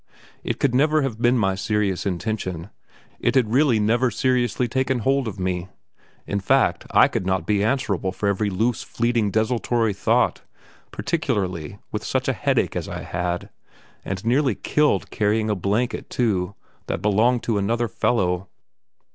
It could never have been my serious intention it had really never seriously taken hold of me; in fact, I could not be answerable for every loose, fleeting, desultory thought, particularly with such a headache as I had, and nearly killed carrying a blanket, too, that belonged to another fellow.